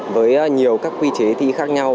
với nhiều các quy chế thi khác nhau